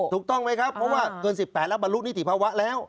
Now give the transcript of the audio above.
ถูกต้องไหมครับเพราะว่าเกิน๑๘แล้วบรรลุนิติภาวะแล้ว